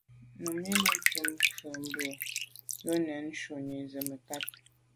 Númí lùcúp ŋkɔ̀k mbə̌ bū yə́nə́ shúnì zə̀ mə̀kát.